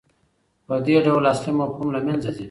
په دې ډول اصلي مفهوم له منځه ځي.